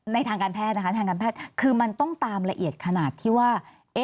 ในทางการแพทย์คือมันต้องตามละเอียดขนาดที่ว่า